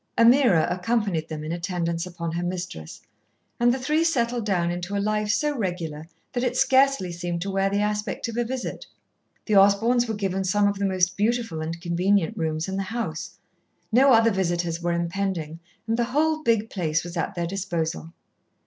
Ameerah accompanied them in attendance upon her mistress, and the three settled down into a life so regular that it scarcely seemed to wear the aspect of a visit. The Osborns were given some of the most beautiful and convenient rooms in the house. No other visitors were impending and the whole big place was at their disposal.